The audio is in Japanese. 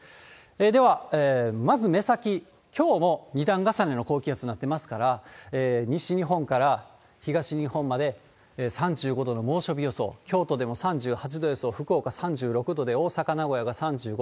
では、まず目先、きょうも２段重ねの高気圧になってますから、西日本から東日本まで３５度の猛暑日予想、京都でも３８度予想、福岡３６度で、大阪、名古屋が３５度。